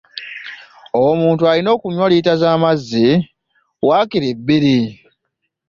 Omuntu alina okunywa liita za mazzi waakiri bbiri.